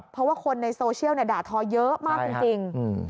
เพราะว่าคนในโซเชียลด่าทอเยอะมากจริง